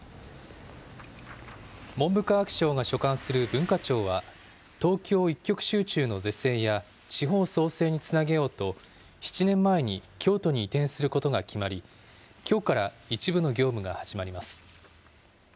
文部科学省が所管する文化庁は、東京一極集中の是正や、地方創生につなげようと、７年前に京都に移転することが決まり、きょうから一部の業務が始まります。